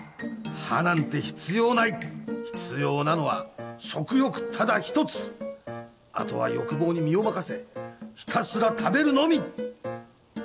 歯なんて必要ない必要なのは食欲ただ一つあとは欲望に身を任せひたすら食べるのみ！